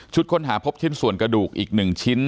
ค้นหาพบชิ้นส่วนกระดูกอีก๑ชิ้น